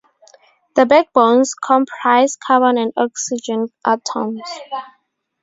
The backbones comprise carbon and oxygen atoms.